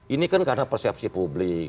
ini kan karena persepsi publik